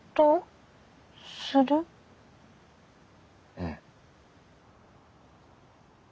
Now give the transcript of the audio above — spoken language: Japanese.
うん。